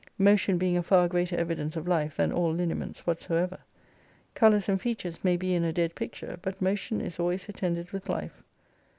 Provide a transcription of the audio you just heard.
Motion being a far greater evidence of life, than all lineaments whatsoever. Colours and features may be in a dead picture, but motion is always attended with life.